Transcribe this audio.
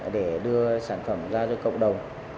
để đưa sản phẩm ra cho cộng đồng